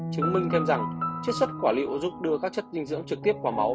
chứng minh thêm rằng chất xuất quả liệu giúp đưa các chất dinh dưỡng trực tiếp vào máu